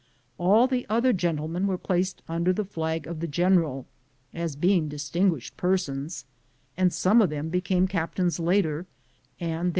All the other gentlemen were placed un der the flag of the general, as being distin guished persons, and some of them became captains later, and their